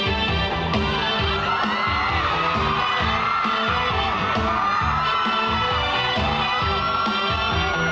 มีเขาเชิญให้เกี่ยวกับคุณ